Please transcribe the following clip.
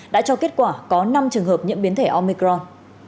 đã cho kết quả có năm trường hợp nhiễm biến thể omicron